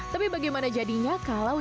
tapi bagaimana jadinya kalau